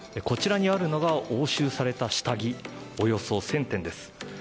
こちらにあるのは押収された下着およそ１０００点です。